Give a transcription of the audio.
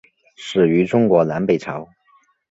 始于中国南北朝。